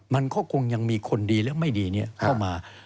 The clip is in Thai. มันก็คงยังมีคนดีและไม่ดีเข้ามา